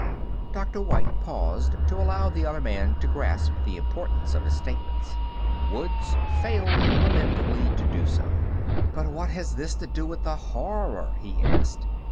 Dr. White paused to allow the other man to grasp the importance of his statements. Woods failed lamentably to do so. "But what has this to do with the Horror?" he asked.